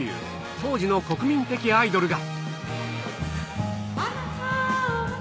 当時の国民的アイドルが。